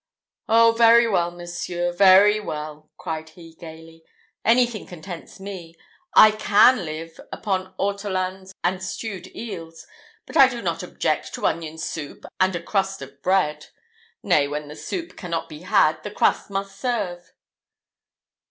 "Oh, very well, monseigneur, very well," cried he, gaily, "anything contents me. I can live upon ortolans and stewed eels, but I do not object to onion soup and a crust of bread. Nay, when the soup cannot be had, the crust must serve."